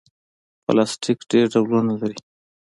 پلاستيک ډېر ډولونه لري.